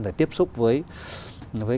để tiếp xúc với